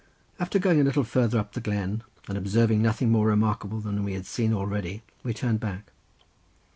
After going a little farther up the glen and observing nothing more remarkable than we had seen already, we turned back.